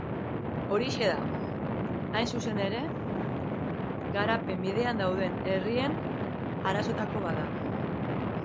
Horixe da, hain zuzen ere, garapen bidean dauden herrialdeen arazoetako bat.